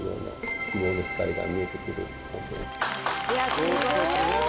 すごい。